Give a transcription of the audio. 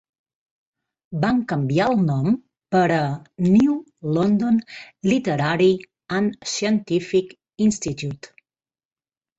Van canviar el nom per a "New London Literary and Scientific Institute".